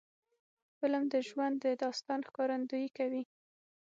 فلم د ژوند د داستان ښکارندویي کوي